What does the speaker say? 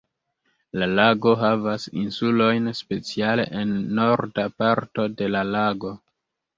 La lago havas insulojn speciale en norda parto de la lago.